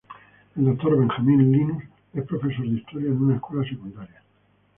El Dr. Benjamin Linus es profesor de historia en una escuela secundaria.